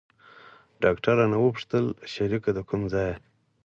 ډاکتر رانه وپوښتل شريکه د کوم ځاى يې.